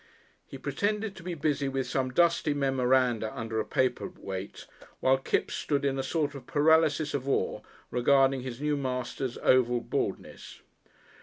He pretended to be busy with some dusty memoranda under a paper weight, while Kipps stood in a sort of paralysis of awe regarding his new master's oval baldness.